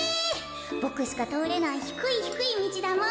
ボクしかとおれないひくいひくいみちだもん。